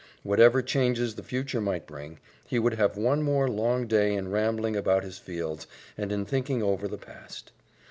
Whatever changes the future might bring, he would have one more long day in rambling about his fields and in thinking over the past.